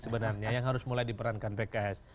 sebenarnya yang harus mulai diperankan pks